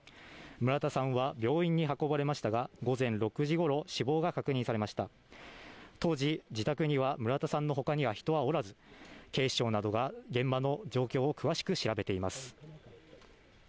村田さんは病院に運ばれましたが午前６時ごろ死亡が確認されました当時、自宅には村田さんの他には人はおらず警視庁などが現場の状況を詳しく調べています。